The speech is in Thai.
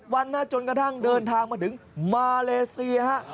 วันนะจนกระทั่งเดินทางมาถึงมาเลเซียฮะ